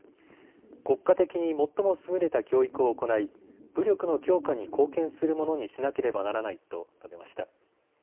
国家的に最も優れた教育を行い武力の強化に貢献するものにしなければならないと述べました。